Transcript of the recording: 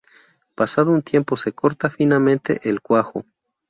Pasado un tiempo se corta finamente el cuajo.